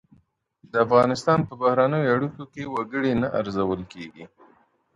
د افغانستان په بهرنیو اړیکو کي وګړي نه ارزول کیږي.